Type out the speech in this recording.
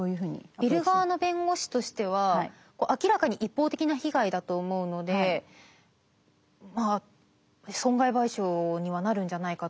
ビル側の弁護士としては明らかに一方的な被害だと思うので損害賠償にはなるんじゃないかと。